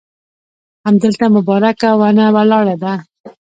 همدلته مبارکه ونه ولاړه ده.